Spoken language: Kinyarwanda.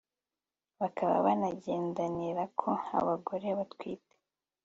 bakaba banagendanirako. abagore batwite